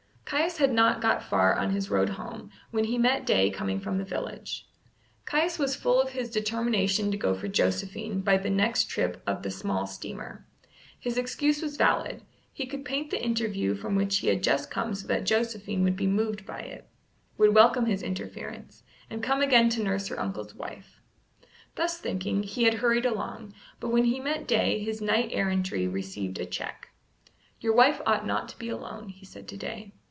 Caius had not got far on his road home, when he met Day coming from the village. Caius was full of his determination to go for Josephine by the next trip of the small steamer. His excuse was valid; he could paint the interview from which he had just come so that Josephine would be moved by it, would welcome his interference, and come again to nurse her uncle's wife. Thus thinking, he had hurried along, but when he met Day his knight errantry received a check. "Your wife ought not to be alone," he said to Day.